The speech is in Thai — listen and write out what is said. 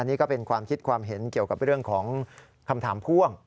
นี่ก็เป็นความคิดความเห็นเกี่ยวกับเรื่องของคำถามพ่วง